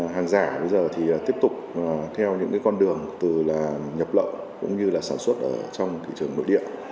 hàng giả bây giờ tiếp tục theo những con đường từ nhập lậu cũng như sản xuất trong thị trường nội địa